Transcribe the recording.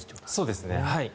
そうですね。